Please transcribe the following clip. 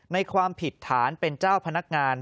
ความผิดฐานเป็นเจ้าพนักงาน